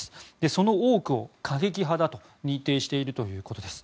その多くを過激派だと認定しているということです。